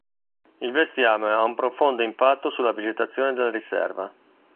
Il bestiame ha un profondo impatto sulla vegetazione della riserva.